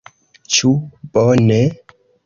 Ĉu bone?